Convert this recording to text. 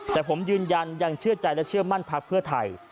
แต่ผมยืนยันยังเชื่อใจและเชื่อมั่นพักเพื่อไทย